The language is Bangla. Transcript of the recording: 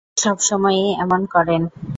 সবসময়ই এমন করেন।